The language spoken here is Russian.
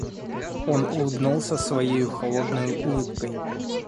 Он улыбнулся своею холодною улыбкой.